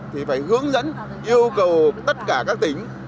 thì phải hướng dẫn yêu cầu tất cả các tỉnh